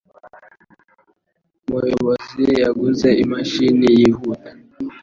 Umuyobozi yaguze imashini yihuta.